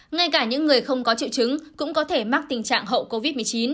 ngay cả những người không có triệu chứng cũng có thể mắc tình trạng hậu covid một mươi chín